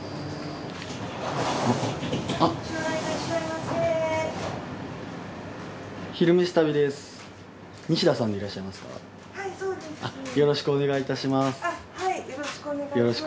あっはいよろしくお願いします。